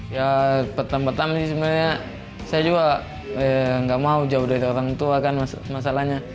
ya pertama tama sih sebenarnya saya juga nggak mau jauh dari orang tua kan masalahnya